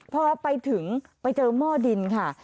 พอไปถึงไปเจอหม้อดินค่ะ